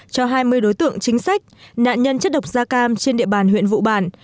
cho hai mươi đối tượng chính sách nạn nhân chất độc da cam trên địa bàn huyện vụ bản